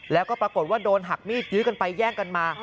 แล้วก็ปรากฏว่าโดนหักมีดยื้อกันไปแย่งกันมา